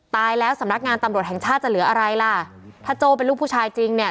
ตายแล้วสำนักงานตำรวจแห่งชาติจะเหลืออะไรล่ะถ้าโจ้เป็นลูกผู้ชายจริงเนี่ย